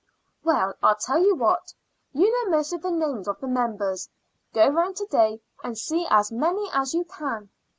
"Well, I tell you what. You know most of the names of the members. Go round to day and see as many as you can.